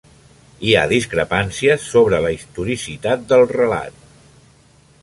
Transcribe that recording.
Hi ha discrepàncies sobre la historicitat del relat.